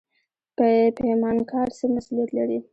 پیمانکار څه مسوولیت لري؟